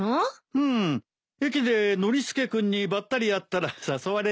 うん駅でノリスケ君にばったり会ったら誘われてね。